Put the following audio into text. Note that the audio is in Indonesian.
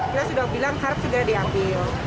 dia sudah bilang harus sudah diambil